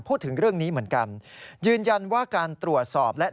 พูดถึงเรื่องนี้เหมือนกันยืนยันว่าการตรวจสอบและ